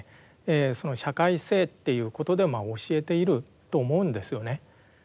社会性っていうことでまあ教えていると思うんですよね。